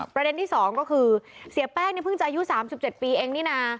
ประเด็นที่๒ก็คือเสียแป้งนี่เพิ่งจะอายุ๓๗ปีเองนี่นะ